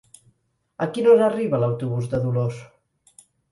A quina hora arriba l'autobús de Dolors?